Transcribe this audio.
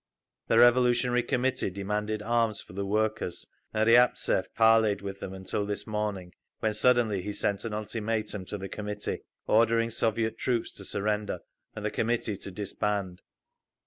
_ The Revolutionary Committee demanded arms for the workers, and Riabtsev parleyed with them until this morning, when suddenly he sent an ultimatum to the Committee, ordering Soviet troops to surrender and the Committee to disband.